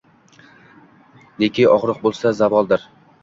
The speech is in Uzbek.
Neki ogʼriq boʼlsa zavoldir